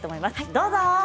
どうぞ。